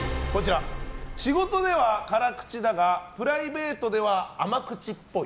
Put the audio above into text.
仕事では辛口だがプライベートでは甘口っぽい。